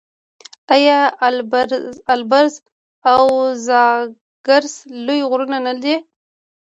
آیا البرز او زاگرس لوی غرونه نه دي؟